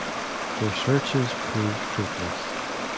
Their searches proved fruitless.